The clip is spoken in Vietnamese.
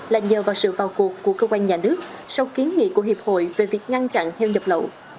là nhờ vào sự vào cuộc của cơ quan nhà nước sau kiến nghị của hiệp hội về việc ngăn chặn heo nhập lậu